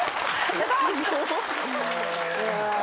やった！